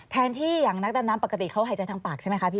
แทนที่อย่างนักดำน้ำปกติเขาหายใจทางปากใช่ไหมคะพี่